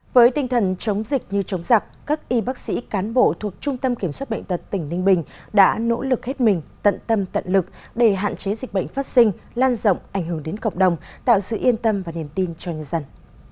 với tinh thần chống dịch như chống giặc các y bác sĩ cán bộ thuộc trung tâm kiểm soát bệnh tật tỉnh ninh bình đã nỗ lực hết mình tận tâm tận lực để hạn chế dịch bệnh phát sinh lan rộng ảnh hưởng đến cộng đồng tạo sự yên tâm và niềm tin cho nhân dân